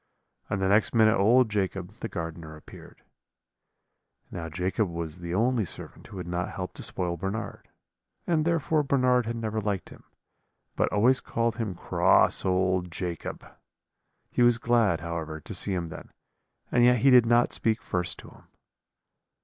and the next minute old Jacob, the gardener, appeared. "Now Jacob was the only servant who had not helped to spoil Bernard, and therefore Bernard had never liked him, but always called him cross old Jacob. He was glad, however, to see him then; and yet he did not speak first to him.